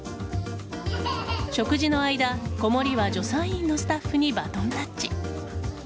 食事の間、子守は助産院のスタッフにバトンタッチ。